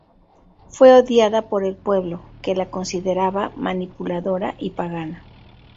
Fue odiada por el pueblo, que la consideraba manipuladora y pagana.